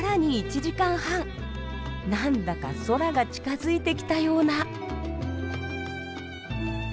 なんだか空が近づいてきたような。